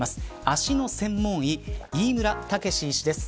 足の専門医飯村剛史医師です。